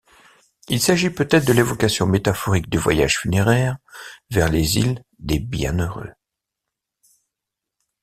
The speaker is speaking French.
Il s'agit peut-être de l'évocation métaphorique du voyage funéraire vers les Îles des Bienheureux.